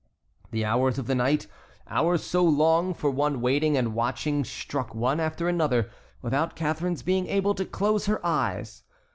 The hours of the night, hours so long for one waiting and watching struck one after another without Catharine's being able to close her eyes.